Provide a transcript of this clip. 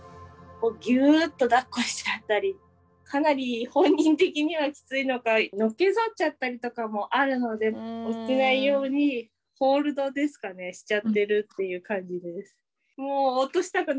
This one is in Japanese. ギューッとだっこしちゃったりかなり本人的にはきついのかのけぞっちゃったりとかもあるので落ちないようにホールドですかねしちゃってるっていう感じです。